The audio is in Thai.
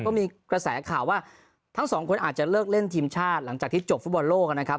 ก็มีกระแสข่าวว่าทั้งสองคนอาจจะเลิกเล่นทีมชาติหลังจากที่จบฟุตบอลโลกนะครับ